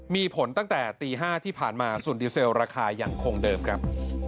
มีผลตั้งแต่ตี๕ที่ผ่านมาส่วนดีเซลราคายังคงเดิมครับ